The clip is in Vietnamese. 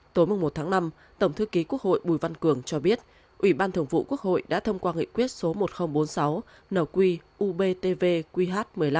tối một tháng năm tổng thư ký quốc hội bùi văn cường cho biết ủy ban thường vụ quốc hội đã thông qua nghị quyết số một nghìn bốn mươi sáu nqbtv qh một mươi năm